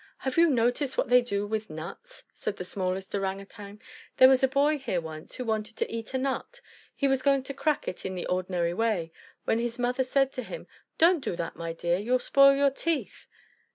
"Have you noticed what they do with nuts?" said the smallest Orang Utang. "There was a boy here once who wanted to eat a nut, and he was going to crack it in the ordinary way, when his mother said to him, 'Don't do that, my dear, you'll spoil your teeth!'